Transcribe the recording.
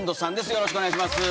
よろしくお願いします。